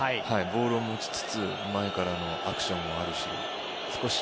ボールを持ちつつ前からのアクションもあるし。